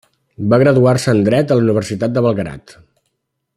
Va graduar-se en dret a la Universitat de Belgrad.